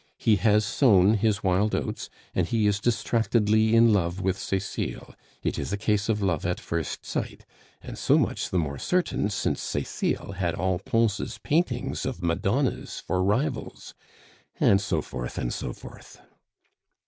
He has sown his wild oats, and he is distractedly in love with Cecile; it is a case of love at first sight; and so much the more certain, since Cecile had all Pons' paintings of Madonnas for rivals," and so forth and so forth.